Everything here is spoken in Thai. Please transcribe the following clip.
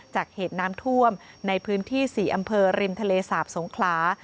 จากเหตุน้ำท่วมในพื้นที่๔อำเภอริมทะเลสาบสงขลา